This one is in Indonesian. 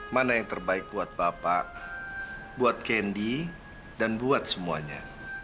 mana yang terbaik buat bapak buat kendi dan buat semuanya